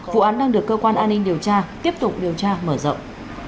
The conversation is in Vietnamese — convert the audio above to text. vụ án đang được cơ quan an ninh điều tra tiếp tục điều tra mở rộng